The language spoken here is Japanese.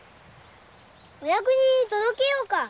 お役人に届けようか。